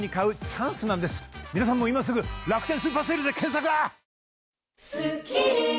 皆さんも今すぐ「楽天スーパーＳＡＬＥ」で検索！